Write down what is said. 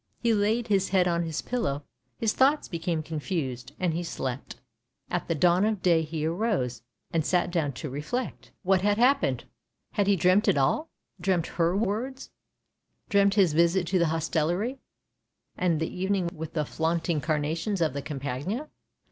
He laid his head on his pillow; his thoughts became confused, and he slept. At the dawn of day he arose, and sat down to reflect. What PSYCHE in had happened? Had he dreamt it all — dreamt her words — dreamt his visit to the hostelry, and the evening with the flaunt ing carnations of the Campagna